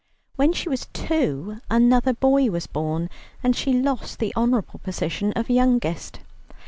When she was two, another boy was born, and she lost the honourable position of youngest.